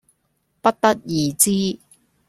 不得而知